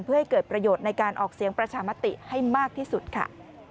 เพื่อให้เกิดประโยชน์ในการออกเสียงประชามติให้มากที่สุดค่ะ